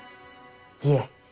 いえ